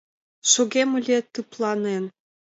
Шогем ыле тыпланен, —